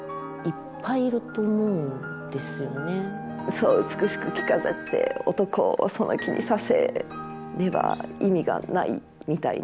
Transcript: そう美しく着飾って男をその気にさせねば意味がないみたいなね。